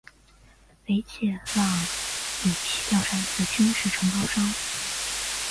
雷彻让里奇调查一个军事承包商。